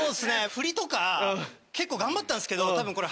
振りとか結構頑張ったんすけど多分これ。